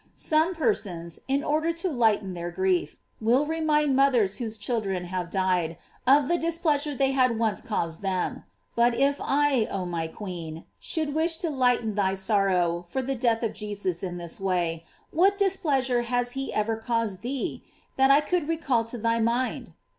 Some persons, in order to lighten their grief, will remind mothers whose children have died, of the displeasure they had once caused them. But if I, oh my queen, should wish to lighten thy sorrow for the death of Jesus in this way, what displeasure has he ever caused thee, that I could recall to thy mind?